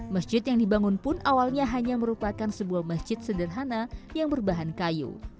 masjid yang dibangun pun awalnya hanya merupakan sebuah masjid sederhana yang berbahan kayu